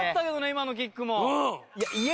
今のキックも。